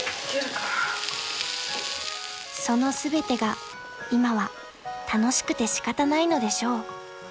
［その全てが今は楽しくて仕方ないのでしょう］